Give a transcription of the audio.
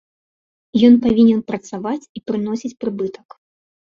Ён павінен працаваць і прыносіць прыбытак.